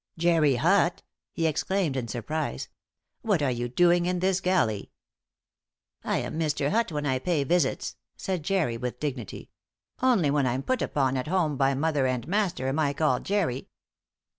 "Jerry Hutt!" he exclaimed in surprise. "What are you doing in this galley?" "I am Mr. Hutt when I pay visits," said Jerry, with dignity. "Only when I'm put upon at home by mother and master am I called Jerry."